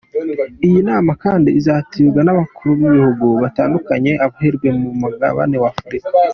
Iyi nama kandi izitabirwa n’abakuru b’ibihugu batandukanye, abaherwe ku mugabane wa Afurika.